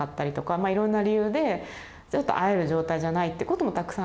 まあいろんな理由でちょっと会える状態じゃないってこともたくさんあって。